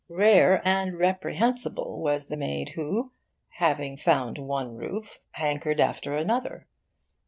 Rare and reprehensible was the maid who, having found one roof, hankered after another.